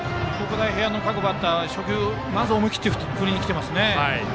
大平安の各バッターは初球まず思い切って振りにいっていますね。